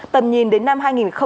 tầm nhìn đến năm hai nghìn ba mươi